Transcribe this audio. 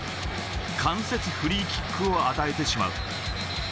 間接フリーキックを与えてしまう。